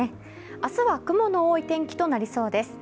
明日は雲の多い天気となりそうです。